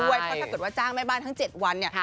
เพราะถ้าเกิดว่าจ้างแม่บ้านทั้ง๗วันเนี่ย